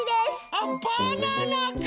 あバナナか！